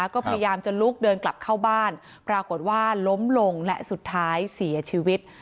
ก็พยายามจะลุกเดินกลับเข้าบ้านปรากฏว่าล้มลงและสุดท้ายเสียชีวิต